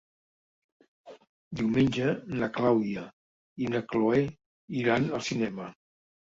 Diumenge na Clàudia i na Cloè iran al cinema.